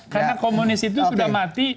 karena komunis itu sudah mati